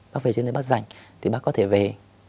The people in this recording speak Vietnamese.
bác về trên đấy bác rảnh thì bác có thể về